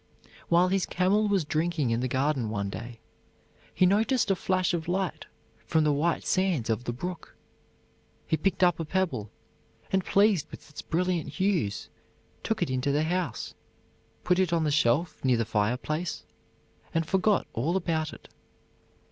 While his camel was drinking in the garden one day, he noticed a flash of light from the white sands of the brook. He picked up a pebble, and pleased with its brilliant hues took it into the house, put it on the shelf near the fireplace, and forgot all about it.